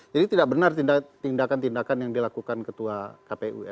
jadi tidak benar tindakan tindakan yang dilakukan ketua kpu